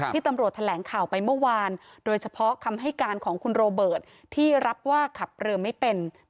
ที่ทำรวจแถลงข่าวไปเมื่อวาน